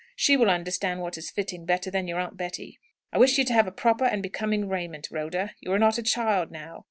She will understand what is fitting better than your aunt Betty. I wish you to have proper and becoming raiment, Rhoda. You are not a child now.